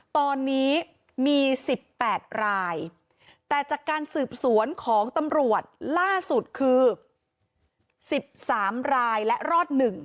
ตอนนี้มี๑๘รายแต่จากการสืบสวนของตำรวจล่าสุดคือ๑๓รายและรอด๑